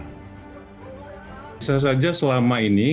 bisa saja selama ini